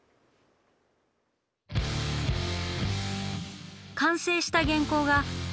完成した原稿がこちら。